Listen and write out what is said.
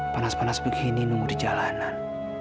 panas panas begini nunggu di jalanan